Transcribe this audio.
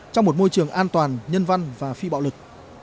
trong một môi trường an toàn nhân văn và phi bạo lực